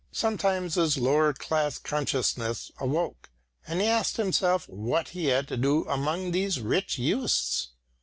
Sometimes his lower class consciousness awoke, and he asked himself what he had to do among these rich youths.